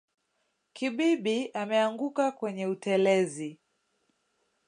Kibibi ameanguka kwenye utelezi